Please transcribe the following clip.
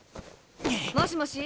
もしもし！